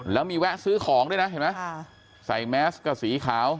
แล้วมีแวะซื้อของด้วยนะเห็นไหมใส่แมสก็สีขาว